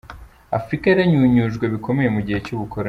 Afurika yaranyunyujwe bikomeye mu gihe cy’Ubukoloni.